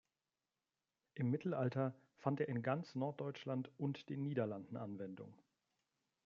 Im Mittelalter fand er in ganz Norddeutschland und den Niederlanden Anwendung.